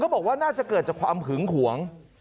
บอกว่าน่าจะเกิดจากความหึงหวง